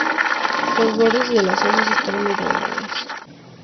Los bordes de las hojas están muy dañadas.